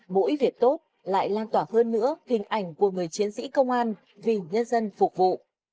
mỗi việc tốt lại lan tỏa hơn nữa hình ảnh của người chiến sĩ công an vì nhân dân phục vụ